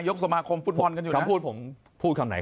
สมาคมฟุตบอลกันอยู่คำพูดผมพูดคำไหน